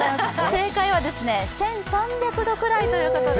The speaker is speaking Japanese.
正解は１３００度くらいということです。